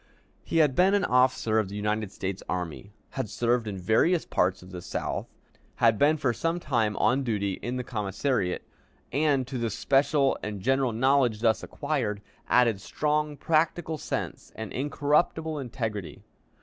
He had been an officer of the United States Army, had served in various parts of the South, had been for some time on duty in the commissariat, and, to the special and general knowledge thus acquired, added strong practical sense and incorruptible integrity.